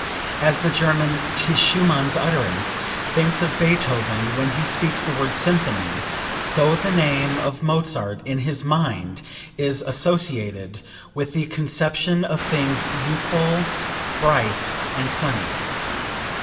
As the German ('tis Schumann's utterance) thinks of Beethoven when he speaks the word symphony, so the name of Mozart in his mind is associated with the conception of things youthful, bright and sunny.